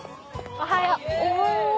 おはよう。